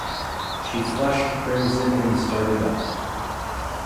She flushed crimson and started up.